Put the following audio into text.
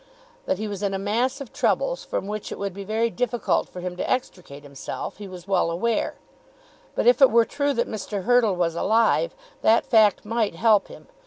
That he was in a mass of troubles from which it would be very difficult for him to extricate himself he was well aware; but if it were true that Mr. Hurtle was alive, that fact might help him.